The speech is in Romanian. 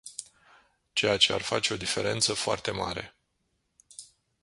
Ceea ce ar face o diferență foarte mare.